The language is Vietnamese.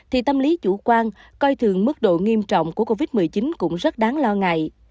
thì tâm lý chủ quan coi thường mức độ nghiêm trọng của covid một mươi chín cũng rất đáng lo ngại